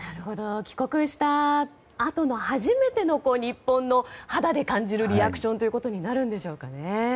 帰国したあとの初めての日本の肌で感じるリアクションになるんですかね。